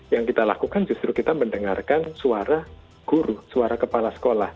yang kita lakukan justru kita mendengarkan suara guru suara kepala sekolah